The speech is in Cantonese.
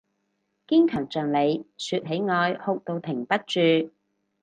堅強像你，說起愛哭到停不住